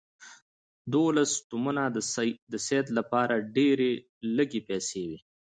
دوولس تومنه د سید لپاره ډېرې لږې پیسې وې.